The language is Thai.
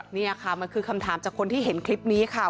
นี่ค่ะมันคือคำถามจากคนที่เห็นคลิปนี้ค่ะ